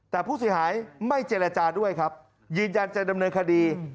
แต่ผู้เสียหายไม่เจรจาด้วยครับยืนยันจะดำเนินคดี